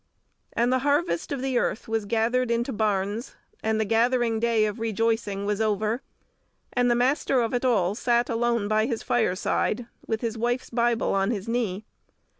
And the harvest of the earth was gathered into barns, and the gathering day of rejoicing was over, and the Master of it all sat alone by his fireside, with his wife's Bible on his knee.